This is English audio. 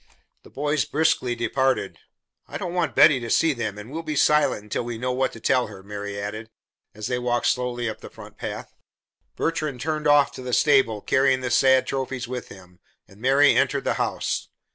The boys briskly departed. "I don't want Betty to see them, and we'll be silent until we know what to tell her," Mary added, as they walked slowly up the front path. Bertrand turned off to the stable, carrying the sad trophies with him, and Mary entered the house.